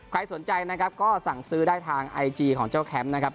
ใครสนใจนะครับก็สั่งซื้อได้ทางไอจีของเจ้าแคมป์นะครับ